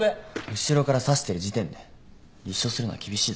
後ろから刺してる時点で立証するのは厳しいだろ。